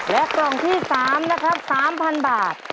และกล่องที่๓นะครับ๓๐๐๐บาท